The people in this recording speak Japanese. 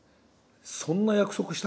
「そんな約束したっけ？」